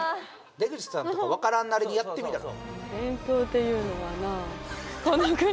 出口さんとかわからんなりにやってみたら？